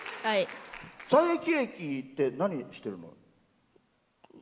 佐伯駅って、何してるの？